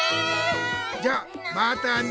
じゃまたね。